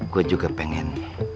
gua juga pengen